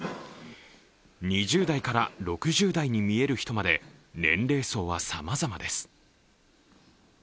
２０代から６０代に見える人まで、年齢層はさまざまです。